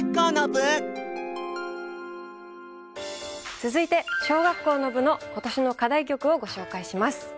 続いて小学校の部の今年の課題曲をご紹介します。